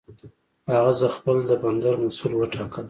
هغه زه خپل د بندر مسؤل وټاکلم.